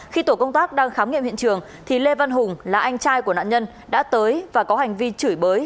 khi tổ công tác đang khám nghiệm hiện trường thì lê văn hùng là anh trai của nạn nhân đã tới và có hành vi chửi bới